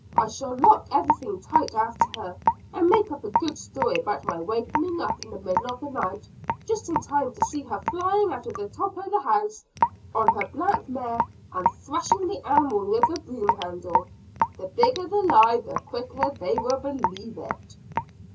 I shall lock everything tight after her; and make up a good story about my wakening up in the middle of the night, just in time to see her flying out of the top o' the house, on her black mare, and thrashing the animal with a broom handle. The bigger the lie the quicker they will believe it."